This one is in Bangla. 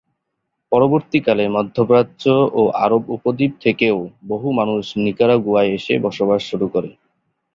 পরবর্তীকালে মধ্যপ্রাচ্য ও আরব উপদ্বীপ থেকেও বহু মানুষ নিকারাগুয়ায় এসে বসবাস শুরু করে।